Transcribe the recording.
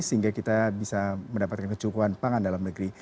sehingga kita bisa mendapatkan kecukupan pangan dalam negeri